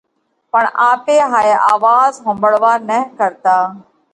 پڻ آپي ھائي آواز ۿومڀۯوا نھ ڪرتا